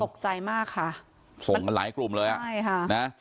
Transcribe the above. ตกใจมากค่ะส่งกันหลายกลุ่มเลยอ่ะใช่ค่ะนะ